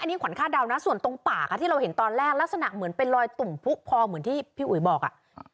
อันนี้ขวัญคาดเดานะส่วนตรงปากที่เราเห็นตอนแรกลักษณะเหมือนเป็นรอยตุ่มผู้พอเหมือนที่พี่อุ๋ยบอกอ่ะ